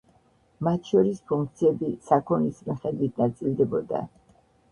მათ შორის ფუნქციები საქონლის მიხედვით ნაწილდებოდა.